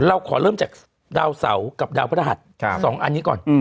เราขอเริ่มจากดาวเสากับดาวพระหัส๒อันนี้ก่อน